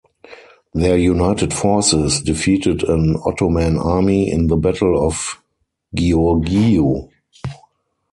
Their united forces defeated an Ottoman army in the Battle of Giurgiu.